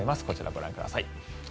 こちらをご覧ください。